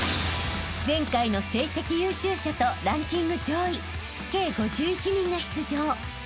［前回の成績優秀者とランキング上位計５１人が出場］